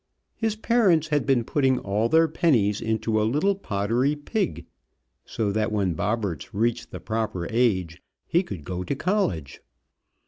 his parents had been putting all their pennies into a little pottery pig, so that when Bobberts reached the proper age he could go to college.